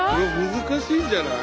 難しいんじゃない？